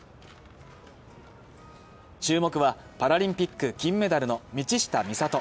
注目はパラリンピック金メダルの道下美里。